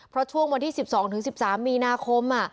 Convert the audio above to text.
เพราะช่วงวันที่๑๒๑๓มีนาคม